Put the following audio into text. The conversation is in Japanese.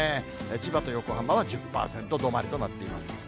千葉と横浜は１０％止まりとなっています。